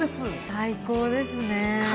最高ですね。